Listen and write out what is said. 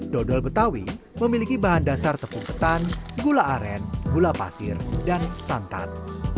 dodol betawi memiliki bahan dasar tepung ketan gula aren gula pasir dan santan